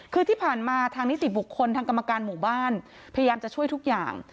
คือที่ผ่านมาทางนิติบุคคลทางกรรมการหมู่บ้านพยายามจะช่วยทุกอย่าง